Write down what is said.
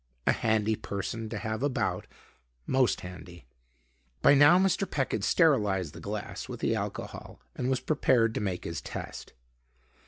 A handy person to have about; most handy." By now Mr. Peck had sterilized the glass with the alcohol and was prepared to make his test.